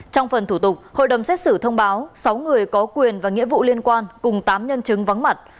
trong phần thủ tục hội đồng xét xử thông báo sáu người có quyền và nghĩa vụ liên quan cùng tám nhân chứng vắng mặt